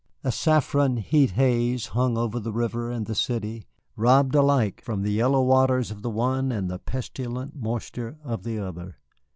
A saffron heat haze hung over the river and the city, robbed alike from the yellow waters of the one and the pestilent moisture of the other.